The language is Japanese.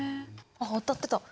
あっ当たってた。